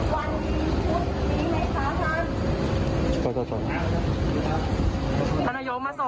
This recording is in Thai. ว่าเผ็ดพ่อมีการดีซ้ายอะไรไหม